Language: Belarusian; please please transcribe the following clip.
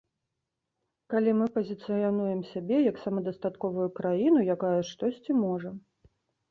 Калі мы пазіцыянуем сябе як самадастатковую краіну, якая штосьці можа.